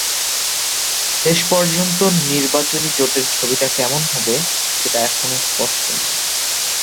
শেষ পর্যন্ত নির্বাচনী জোটের ছবিটা কেমন হবে, সেটাও এখনো স্পষ্ট নয়।